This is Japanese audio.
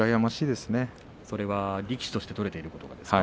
それは力士として取れていることですか？